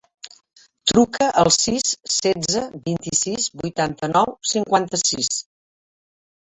Truca al sis, setze, vint-i-sis, vuitanta-nou, cinquanta-sis.